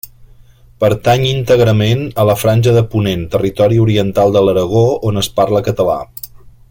Pertany íntegrament a la Franja de Ponent, territori oriental de l'Aragó on es parla català.